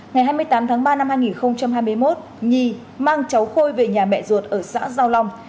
ngày hai mươi tám tháng ba năm hai nghìn hai mươi một nhi mang cháu khôi về nhà mẹ ruột ở xã giao long